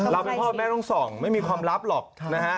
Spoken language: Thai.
พ่อแม่ต้องส่องไม่มีความลับหรอกนะฮะ